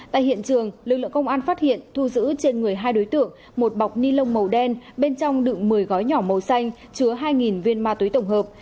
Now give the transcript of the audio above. tại hiện trường lực lượng công an phát hiện thu giữ trên người hai đối tượng một bọc ni lông màu đen bên trong đựng một mươi gói nhỏ màu xanh chứa hai viên ma túy tổng hợp